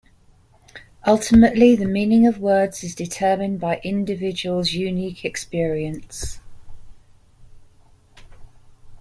Ultimately, the meaning of the words is determined by an individuals unqiue expierence.